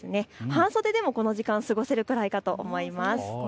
半袖でもこの時間、過ごせるくらいかと思います。